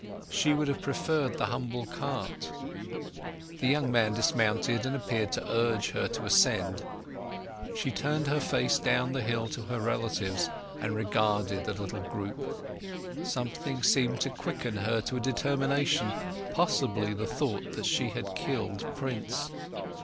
She would have preferred the humble cart. The young man dismounted, and appeared to urge her to ascend. She turned her face down the hill to her relatives, and regarded the little group. Something seemed to quicken her to a determination; possibly the thought that she had killed Prince.